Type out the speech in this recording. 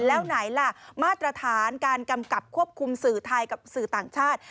แล้วไหนล่ะมาตรฐานการกำกับควบคุมสื่อไทยกับสื่อต่างชาติ